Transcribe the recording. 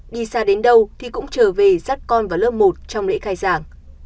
đi xa đến đâu thì cũng trở về dắt con vào lớp một trong lễ khai giảng